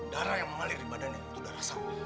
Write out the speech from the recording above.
darah yang memalirin badan itu darah saya